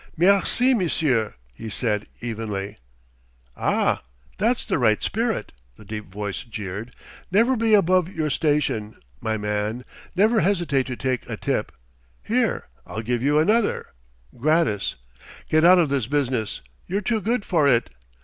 "Merci, monsieur," he said evenly. "Ah, that's the right spirit!" the deep voice jeered. "Never be above your station, my man never hesitate to take a tip! Here, I'll give you another, gratis: get out of this business: you're too good for it.